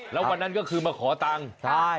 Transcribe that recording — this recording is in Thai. แล้ววันนั้นก็คือมาขอตังค์ใช่